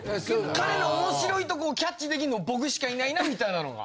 彼の面白いとこをキャッチできるの僕しかいないなみたいなのが。